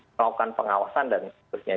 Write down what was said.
melakukan pengawasan dan sebagainya